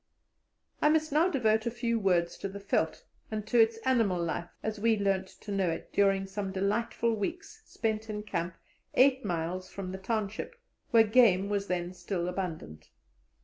I must now devote a few words to the veldt and to its animal life as we learnt to know it during some delightful weeks spent in camp eight miles from the township, where game was then still abundant.